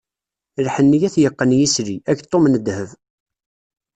Lḥenni ad t-yeqqen yisli, ageṭṭum n dheb.